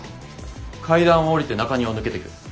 階段を下りて中庭を抜けてく。